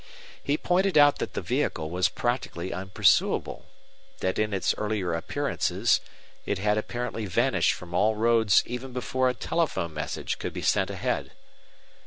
He pointed out that the vehicle was practically unpursuable; that in its earlier appearances, it had apparently vanished from all roads even before a telephone message could be sent ahead.